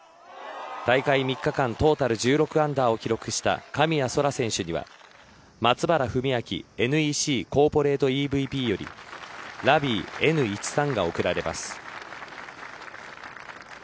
大会３日間、トータル１６安打を記録した神谷そら選手には松原文明ＮＥＣＣｏｒｐｏｒａｔｅＥＶＰよりＬＡＶＩＥＮ１３が贈られます。